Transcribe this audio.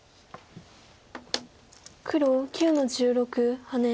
黒９の十六ハネ。